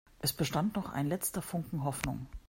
Es bestand noch ein letzter Funken Hoffnung.